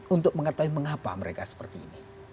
untuk mengetahui mengapa mereka seperti ini